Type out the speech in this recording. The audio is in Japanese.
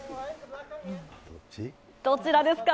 どちらですか？